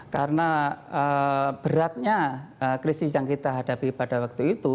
karena beratnya krisis yang kita hadapi pada waktu itu